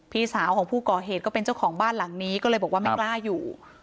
พี่สาวของผู้ก่อเหตุก็เป็นเจ้าของบ้านหลังนี้ก็เลยบอกว่าไม่กล้าอยู่